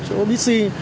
chỗ bí xì